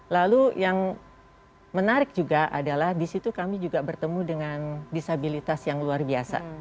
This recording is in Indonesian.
lalu yang menarik juga adalah di situ kami juga bertemu dengan disabilitas yang luar biasa